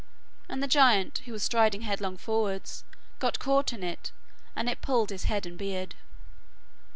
And the giant, who was striding headlong forwards, got caught in it, and it pulled his hair and beard.